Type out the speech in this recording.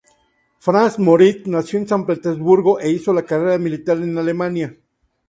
Franz Moritz nació en San Petersburgo e hizo la carrera militar en Alemania.